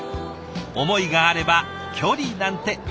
思いがあれば距離なんて。